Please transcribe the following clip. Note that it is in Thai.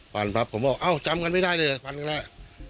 วันปั๊บผมบอกเอ้าจำกันไม่ได้เลยฟันกันแล้ว